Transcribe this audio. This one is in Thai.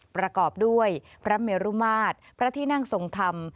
ประกอบด้วยพระเมรุมาตรพระที่นั่งทรงธรรม